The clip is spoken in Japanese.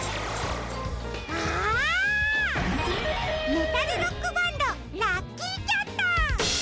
メタルロックバンドラッキーキャット！